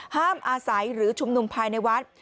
ห้ามอาศัยหรือชุมนุมภายในวัด